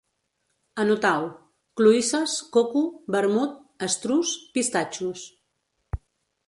Anotau: cloïsses, coco, vermut, estruç, pistatxos